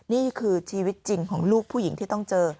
นี่คือชีวิตจริงของลูกผู้หญิงที่ต้องเจอ